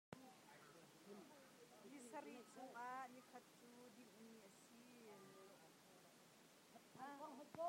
Ni sarih chungah nikhat cu dinh ni a si.